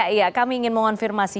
ya kami ingin mengonfirmasi